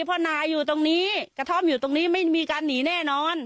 เพราะนายอยู่ตรงนี้กระท่อมอยู่ตรงนี้ไม่มีการหนีแน่นอน